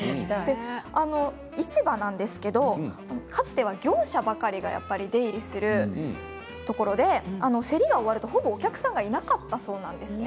市場なんですけどもかつては業者ばかり出入りするところで競りが終わると、ほぼお客さんがいなかったそうなんですね。